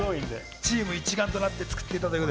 チーム一丸となって作っていたという。